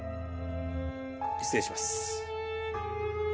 失礼します。